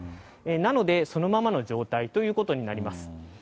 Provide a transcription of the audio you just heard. なので、そのままの状態ということになります。